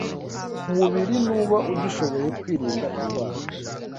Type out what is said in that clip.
umubiri ntuba ugishoboye kwirinda indwara.